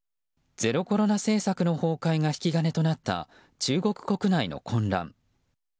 ゼロコロナ政策の崩壊が引き金となった中国国内の混乱。